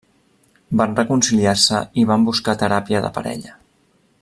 Van reconciliar-se i van buscar teràpia de parella.